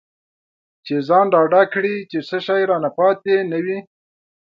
چې ځان ډاډه کړي چې څه شی رانه پاتې نه وي.